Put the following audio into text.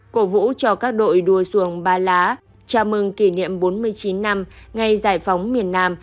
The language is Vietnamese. cổ vũ cho các đội đua xuồng ba lá chào mừng kỷ niệm bốn mươi chín năm ngày giải phóng miền nam